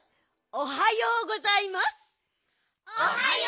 おはようございます！